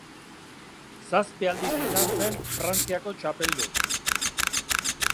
Zazpi aldiz izan zen Frantziako txapeldun.